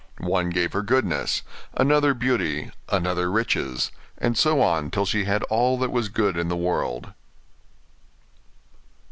One gave her goodness, another beauty, another riches, and so on till she had all that was good in the world.